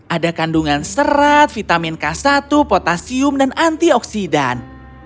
ada kandungan serat vitamin k satu potasium dan antioksidan